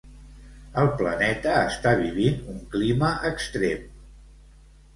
El planeta està vivint un clima extrem.